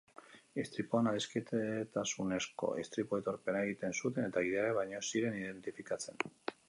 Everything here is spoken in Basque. Istripuan adiskidetasunezko istripu-aitorpena egiten zuten eta gidariak baino ez ziren identifikatzen.